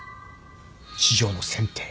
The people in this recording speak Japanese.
市場の選定。